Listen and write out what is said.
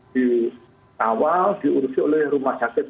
di awal diurusi oleh rumah sakit